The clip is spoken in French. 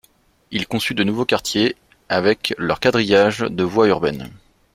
Il conçut de nouveaux quartiers avec leur quadrillage de voies urbaines.